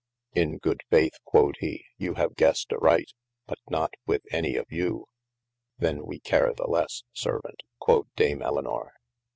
In good faith, quod he, you have gessed aright, but not with any of you. . The we care the lesse servaunt, quod Dame Elynor.